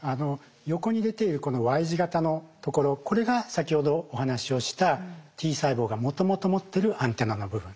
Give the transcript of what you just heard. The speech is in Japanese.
横に出ているこのＹ字型のところこれが先ほどお話をしたＴ細胞がもともと持ってるアンテナの部分。